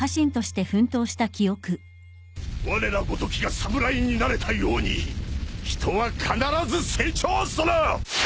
われらごときが侍になれたように人は必ず成長する！